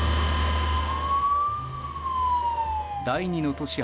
第２の都市